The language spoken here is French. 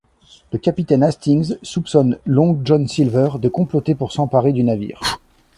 Le capitaine Hastings soupçonne Long John Silver de comploter pour s'emparer du navire.